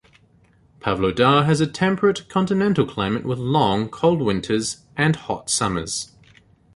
Pavlodar has a temperate continental climate with long, cold winters and hot summers.